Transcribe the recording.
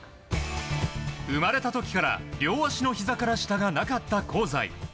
生まれた時から、両足のひざから下がなかった香西。